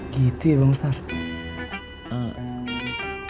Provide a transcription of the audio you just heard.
gitu bang ustadz